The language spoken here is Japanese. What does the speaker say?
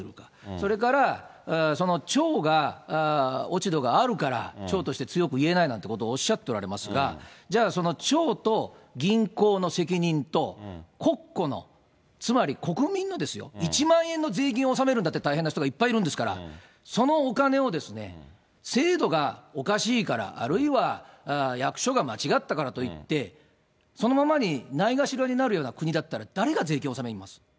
それから、町が落ち度があるから、町として強く言えないなんてことをおっしゃっておられますが、じゃあ、その町と銀行の責任と、国庫の、つまり国民のですよ、１万円の税金を納めるのだって大変な人がいっぱいいるんですから、そのお金をですね、制度がおかしいから、あるいは役所が間違ったからといって、そのままに、ないがしろになるような国だったら、誰が税金納めます？